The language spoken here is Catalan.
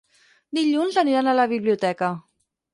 Dilluns aniran a la biblioteca.